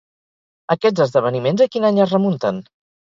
Aquests esdeveniments a quin any es remunten?